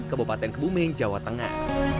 kebupaten kebumen jawa tengah